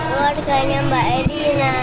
keluarganya mbak erina